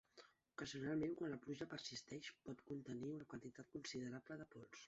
Ocasionalment, quan la pluja persisteix, pot contenir una quantitat considerable de pols.